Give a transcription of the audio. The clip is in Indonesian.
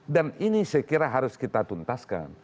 dan ini saya kira harus kita tuntaskan